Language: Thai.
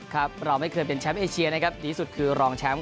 ครับเราไม่เคยเป็นแชมป์เอเชียนะครับดีที่สุดคือรองแชมป์